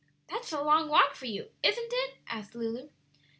"That's a long walk for you, isn't it?" said Lulu.